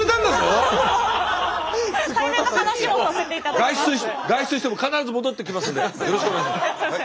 外出しても必ず戻ってきますんでよろしくお願いします。